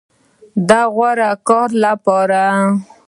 د غوره کار لپاره